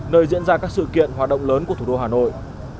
nơi diễn ra các sự kiện hoạt động lớn của thủ đô hà nội